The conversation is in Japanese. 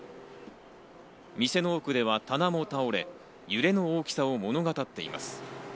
店の奥では棚も倒れ、揺れの大きさを物語っています。